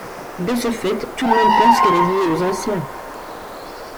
De ce fait tout le monde pense qu'elle est liée aux Anciens.